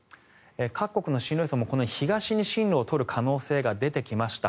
各国の進路予想も東に進路を取る可能性が出てきました。